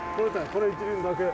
これ１輪だけ。